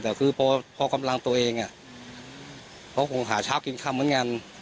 แต่คือพอกำลังตัวเองเขาคงหาเช้ากินค่ำเหมือนกัน